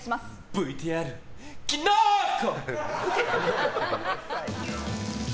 ＶＴＲ、キノコ！